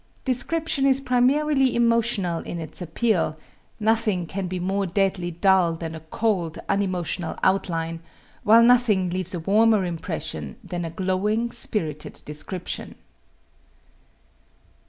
Description is primarily emotional in its appeal; nothing can be more deadly dull than a cold, unemotional outline, while nothing leaves a warmer impression than a glowing, spirited description.